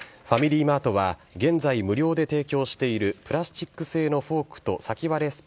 ファミリーマートは、現在無料で提供しているプラスチック製のフォークと先割れ